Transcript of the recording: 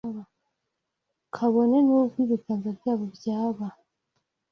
kabone n’ubwo ibiganza byabo byaba